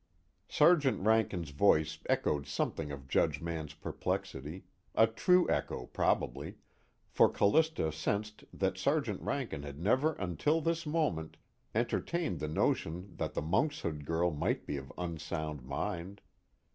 _ Sergeant Rankin's voice echoed something of Judge Mann's perplexity; a true echo probably, for Callista sensed that Sergeant Rankin had never until this moment entertained the notion that the Monkshood Girl might be of unsound mind.